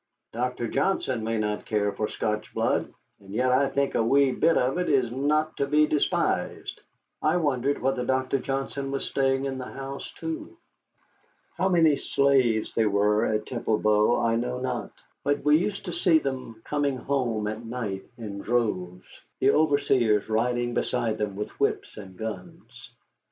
Dr. Johnson may not care for Scotch blood, and yet I think a wee bit of it is not to be despised." I wondered whether Dr. Johnson was staying in the house, too. How many slaves there were at Temple Bow I know not, but we used to see them coming home at night in droves, the overseers riding beside them with whips and guns.